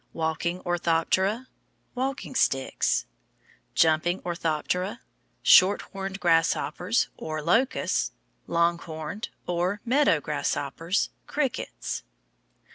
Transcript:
Walking Orthoptera. Walking Sticks. Jumping Orthoptera. Shorthorned Grasshoppers, or Locusts. Longhorned, or Meadow, Grasshoppers. Crickets.